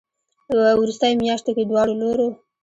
ه وروستيو مياشتو کې دواړو لورو